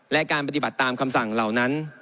และการปฏิบัติตามคำสั่งเหล่านั้น